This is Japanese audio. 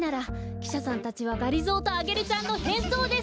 きしゃさんたちはがりぞーとアゲルちゃんのへんそうです！